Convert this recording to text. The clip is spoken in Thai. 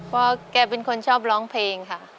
ว่าแกเป็นคนชอบร้องเพลงค่ะ